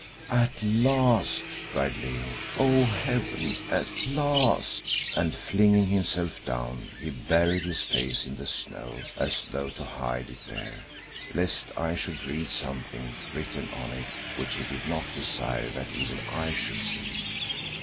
"At last!" cried Leo, "oh, Heaven! at last!" and, flinging himself down, he buried his face in the snow as though to hide it there, lest I should read something written on it which he did not desire that even I should see.